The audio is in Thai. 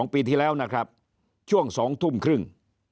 ปีที่แล้วนะครับช่วง๒ทุ่มครึ่ง